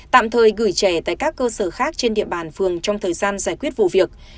tạm thời gửi trẻ tại các cơ sở khác trên địa bàn phường trong thời gian giải quyết vụ việc